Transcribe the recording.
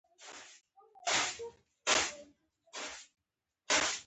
د پیرودونکي باور په اسانه نه ترلاسه کېږي.